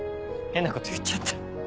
変なこと言っちゃって。